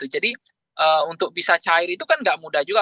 jadi untuk bisa cair itu kan nggak mudah juga